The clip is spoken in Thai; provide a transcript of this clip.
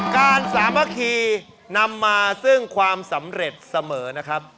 สามัคคีนำมาซึ่งความสำเร็จเสมอนะครับ